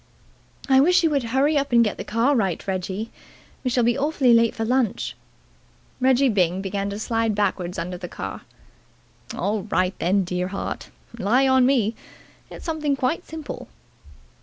"I wish you would hurry up and get the car right, Reggie. We shall be awfully late for lunch." Reggie Byng began to slide backwards under the car. "All right, dear heart. Rely on me. It's something quite simple."